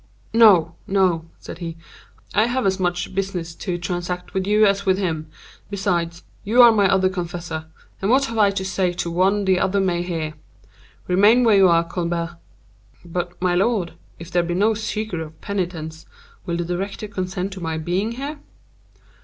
"No, no," said he; "I have as much business to transact with you as with him. Besides, you are my other confessor—and what I have to say to one the other may hear. Remain where you are, Colbert." "But my lord, if there be no secret of penitence, will the director consent to my being here?"